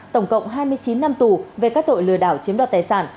tổng cộng hai mươi chín năm tù về các tội lừa đảo chiếm đoạt tài sản